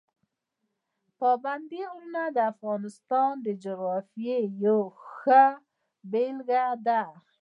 پابندي غرونه د افغانستان د جغرافیې یوه ښه بېلګه ده.